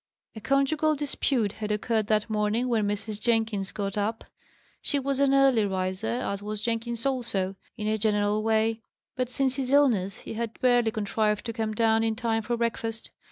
A conjugal dispute had occurred that morning when Mrs. Jenkins got up. She was an early riser; as was Jenkins also, in a general way; but since his illness, he had barely contrived to come down in time for breakfast.